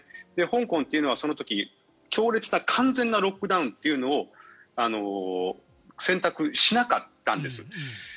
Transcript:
香港というのはその時、強烈な完全なロックダウンというのを選択しなかったんです。